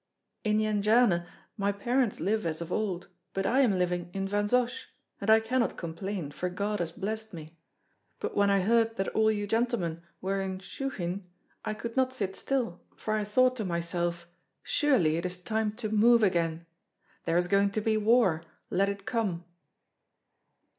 "In Jendziane my parents live as of old, but I am living in Vansosh, and I cannot complain, for God has blessed me. But when I heard that all you gentlemen were in Shchuchyn, I could not sit still, for I thought to myself, 'Surely it is time to move again!' There is going to be war, let it come!"